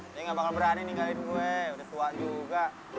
dia gak bakal berani ninggahin gue udah tua juga